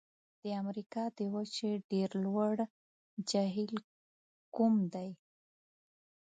د امریکا د لویې وچې ډېر لوړ جهیل کوم دی؟